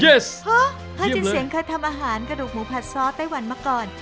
ฮ่ะเฮอร์จินเสียงเขาทำอาหารกำหนูผัดซอสไต้หวันมาก่อน